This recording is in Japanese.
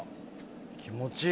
気持ちいい。